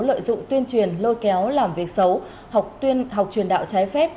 lợi dụng tuyên truyền lôi kéo làm việc xấu học truyền đạo trái phép